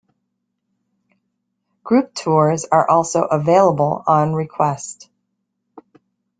Group tours are also available on request.